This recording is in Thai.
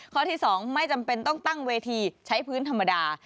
ข้อที่๒ไม่จำเป็นต้องตั้งเวทีใช้พื้นธรรมดา